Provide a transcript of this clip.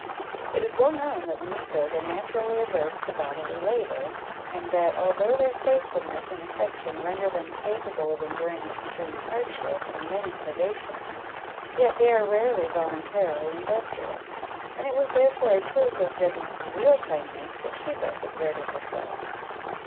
It is well known that the negroes are naturally averse to bodily labour, and that, although their faithfulness and affection render them capable of enduring extreme hardship and many privations, yet they are rarely voluntarily industrious; and it was therefore a proof of Zebby's real kindness, that she thus exerted herself.